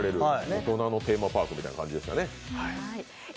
大人のテーマパークみたいな感じでしたね。